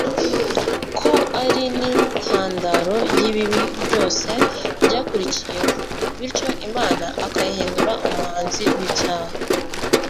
ko ari n'intandaro y'ibibi byose byakurikiyeho; bityo Imana akayihindura umuhanzi w'icyaha,